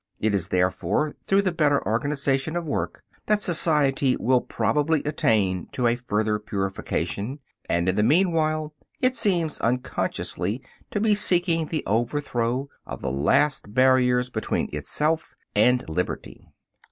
It is, therefore, through the better organization of work that society will probably attain to a further purification, and in the meanwhile it seems unconsciously to be seeking the overthrow of the last barriers between itself and liberty.